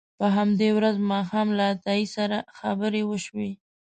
په همدې ورځ ماښام له عطایي سره خبرې وشوې.